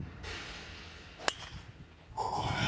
ここはな